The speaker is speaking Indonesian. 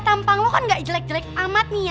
tampang lo kan gak jelek jelek amat nih ya